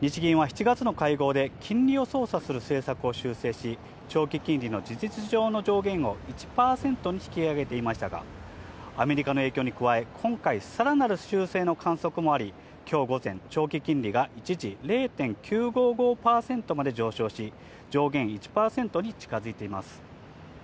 日銀は７月の会合で金利を操作する政策を修正し、長期金利の実情の上限を１％に引き上げていましたが、アメリカの影響に加え、今回さらなる修正の観測もあり、きょう午前、長期金利が一時０．９５５％まで上昇し、上限１％に近づいています。